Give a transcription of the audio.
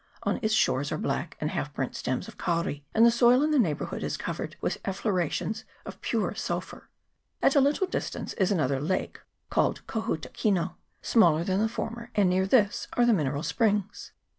On its shores are black and half burnt stems of kauri, and the soil in the neighbourhood is covered with efflora tions of pure sulphur. At a little distance is another lake, called Ko huta kino, smaller than the former, and near this are the mineral springs.